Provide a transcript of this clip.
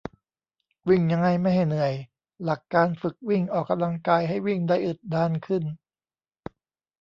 วิ่งยังไงไม่ให้เหนื่อย หลักการฝึกวิ่งออกกำลังกาย ให้วิ่งได้อึดนานขึ้น